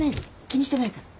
気にしてないから。